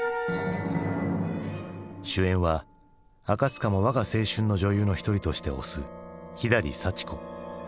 主演は赤塚も我が青春の女優の一人として推す左幸子。